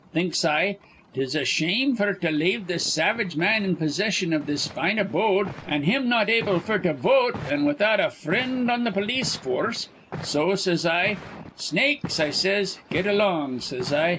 Thinks I, ''Tis a shame f'r to lave this savage man in possession iv this fine abode, an' him not able f'r to vote an' without a frind on th' polis foorce.' So says I: 'Snakes,' I says, 'get along,' says I.